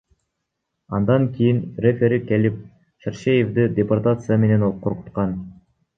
Андан кийин рефери келип, Шаршеевди депортация менен коркуткан.